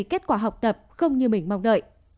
kết quả học tập không như mình mong đợi